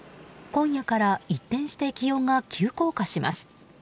今夜から一転して気温が急降下します。